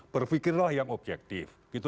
berfikirlah yang objektif